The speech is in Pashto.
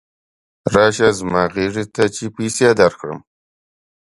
راشه زما غېږې ته چې پیسې درکړم.